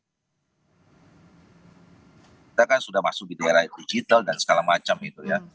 kita kan sudah masuk di daerah digital dan segala macam itu ya